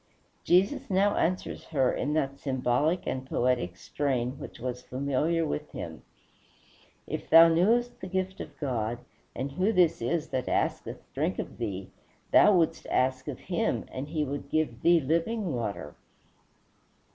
Jesus now answers her in that symbolic and poetic strain which was familiar with him: "If thou knewest the gift of God, and who this is that asketh drink of thee, thou wouldst ask of him, and he would give thee living water."